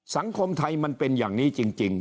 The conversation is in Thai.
สังคมไทยมันเป็นอย่างนี้จริง